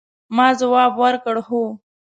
ما ځواب ورکړ، هو.